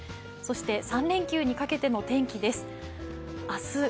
そして、３連休にかけての天気です。